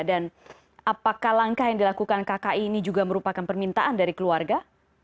dan apakah langkah yang dilakukan kki ini juga merupakan permintaan dari keluarga